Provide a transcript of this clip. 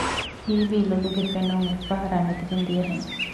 ހީވީ ލޮލުގެ ފެނުން އެއްފަހަރާ ނެތިގެން ދިޔަހެން